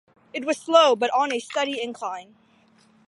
It was slow, but on a steady incline.